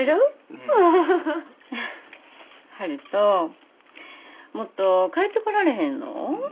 悠人もっと帰ってこられへんの？